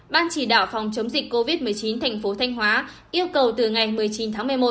ban chỉ đạo phòng chống dịch covid một mươi chín thành phố thanh hóa yêu cầu từ ngày một mươi chín tháng một mươi một